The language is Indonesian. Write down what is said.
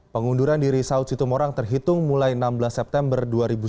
pengunduran diri saud situmorang terhitung mulai enam belas september dua ribu sembilan belas